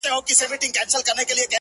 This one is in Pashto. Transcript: ستا د خولې سا’